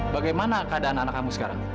bagaimana keadaan anak kamu sekarang